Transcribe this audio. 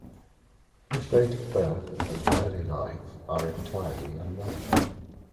His date of birth and early life are entirely unknown.